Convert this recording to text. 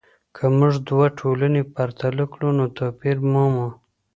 که موږ دوه ټولنې پرتله کړو نو توپیر مومو.